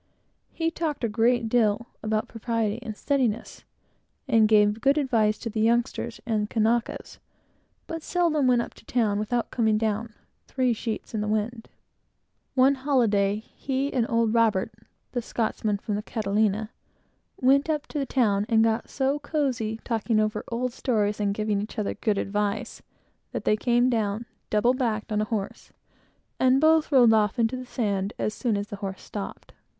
He talked a great deal about propriety and steadiness, and gave good advice to the youngsters and Kanakas, but seldom went up to the town, without coming down "three sheets in the wind." One holyday, he and old Robert (the Scotchman from the Catalina) went up to the town, and got so cozy, talking over old stories and giving one another good advice, that they came down double backed, on a horse, and both rolled off into the sand as soon as the horse stopped.